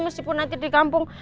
meskipun nanti di kampung